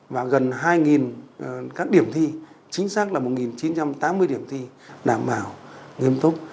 và gần hai các điểm thi chính xác là một chín trăm tám mươi điểm thi đảm bảo nghiêm túc